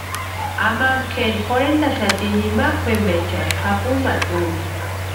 Amampa kʼeri jorhentaaxati nimakwa jempaechani japumata úni.